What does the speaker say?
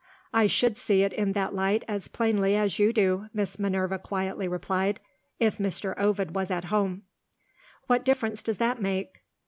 "I should see it in that light as plainly as you do," Miss Minerva quietly replied, "if Mr. Ovid was at home." "What difference does that make?"